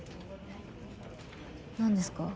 何ですか？